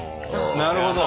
なるほど。